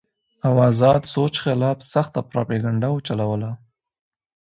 او ازاد سوچ خلاف سخته پراپېګنډه اوچلوله